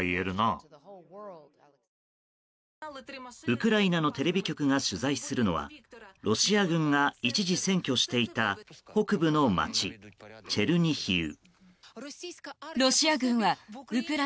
ウクライナのテレビ局が取材するのはロシア軍が一時占拠していた北部の街、チェルニヒウ。